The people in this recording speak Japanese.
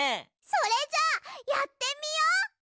それじゃあやってみよう。